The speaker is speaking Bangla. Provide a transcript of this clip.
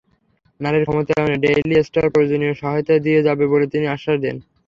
নারীর ক্ষমতায়নে ডেইলি স্টার প্রয়োজনীয় সহায়তা দিয়ে যাবে বলে তিনি আশ্বাস দেন।